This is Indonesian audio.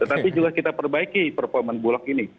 tetapi juga kita perbaiki performa bulog ini